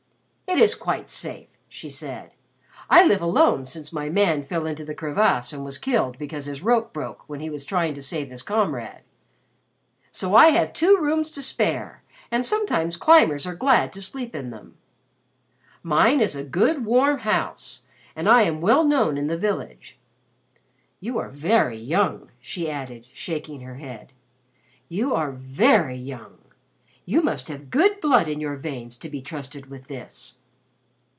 "It is quite safe," she said. "I live alone since my man fell into the crevasse and was killed because his rope broke when he was trying to save his comrade. So I have two rooms to spare and sometimes climbers are glad to sleep in them. Mine is a good warm house and I am well known in the village. You are very young," she added shaking her head. "You are very young. You must have good blood in your veins to be trusted with this."